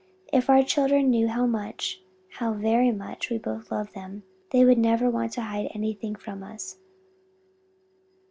If our children knew how much, how very much we both love them, they would never want to hide anything from us."